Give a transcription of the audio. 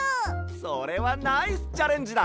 それはナイスチャレンジだ！